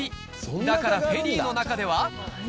だからフェリーの中では。